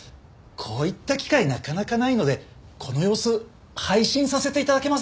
こういった機会なかなかないのでこの様子配信させて頂けませんか？